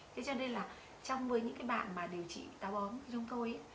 thế cho nên là trong với những cái bạn mà điều trị táo bón của chúng tôi